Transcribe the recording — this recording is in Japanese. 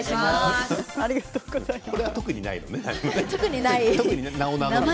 これは特に何もないのね。